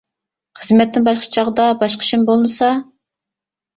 خىزمەتتىن باشقا چاغدا باشقا ئىشىم بولمىسا.